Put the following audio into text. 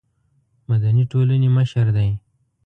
مدني ټولنې مشر دی.